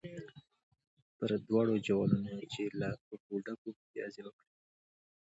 پر دواړو جوالونو چې له روپو ډک وو متیازې وکړې.